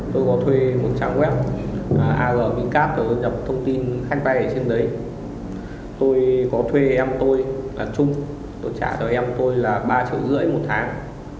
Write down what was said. tôi có thuê một trang web arvcap tôi nhập thông tin khách bay ở trên đấy tôi có thuê em tôi là trung tôi trả cho em tôi là ba triệu rưỡi một tháng